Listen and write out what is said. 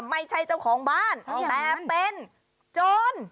ไม่ใช่เจ้าของบ้านแต่เป็นโจร